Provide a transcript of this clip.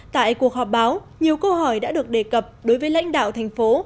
tại cuộc họp báo nhiều câu hỏi đã được đề cập đối với lãnh đạo thành phố